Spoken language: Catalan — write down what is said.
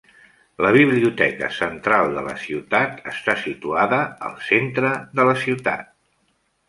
La biblioteca central de la ciutat està situada al centre de la ciutat.